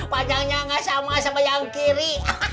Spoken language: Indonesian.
panjangnya nggak sama sama yang kiri